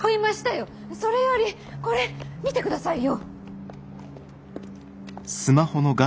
それよりこれ見てくださいよ。